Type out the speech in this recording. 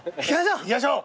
いきましょう。